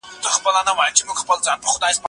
سړي ته د ملامتیا په خاطر د ښکار جامې ور واغوستل شوې.